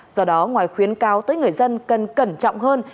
do đó ngoài khuyến cáo tới người dân cần cẩn trọng hơn